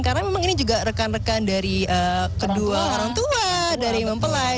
karena memang ini juga rekan rekan dari kedua orang tua dari mempelai